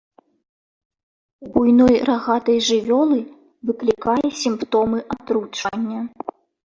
У буйной рагатай жывёлы выклікае сімптомы атручвання.